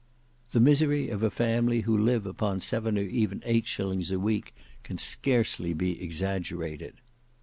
"The misery of a family who live upon seven or even eight shillings a week can scarcely be exaggerated."